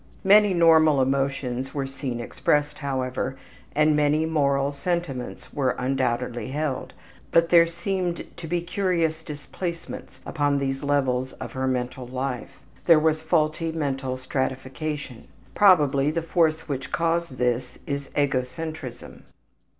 Many normal emotions were seen expressed, however, and many moral sentiments were undoubtedly held, but there seemed to be curious displacements upon these levels of her mental life; there was faulty mental stratification. Probably the force which caused this is egocentrism.